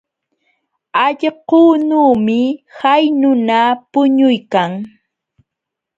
Allqunuumi hay nuna puñuykan.